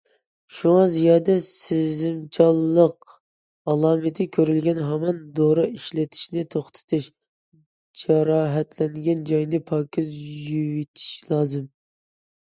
شۇڭا، زىيادە سېزىمچانلىق ئالامىتى كۆرۈلگەن ھامان دورا ئىشلىتىشنى توختىتىش، جاراھەتلەنگەن جاينى پاكىز يۇيۇۋېتىش لازىم.